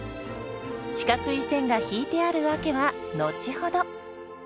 四角い線が引いてある訳は後ほど。